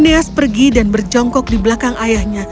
neas pergi dan berjongkok di belakang ayahnya